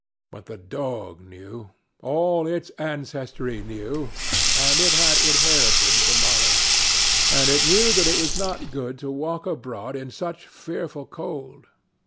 But the dog knew; all its ancestry knew, and it had inherited the knowledge. And it knew that it was not good to walk abroad in such fearful cold.